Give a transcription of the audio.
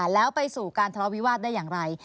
แล้วไปสู่การทะเลาวิวาสได้อย่างไร